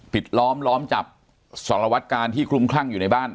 ล้อมล้อมจับสารวัตกาลที่คลุมคลั่งอยู่ในบ้าน